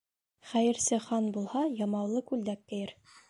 Хәйерсе хан булһа, ямаулы күлдәк кейер.